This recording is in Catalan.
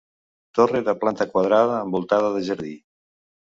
Torre de planta quadrada envoltada de jardí.